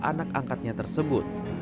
kepada anak angkatnya tersebut